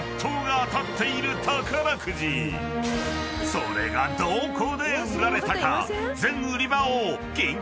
［それがどこで売られたか］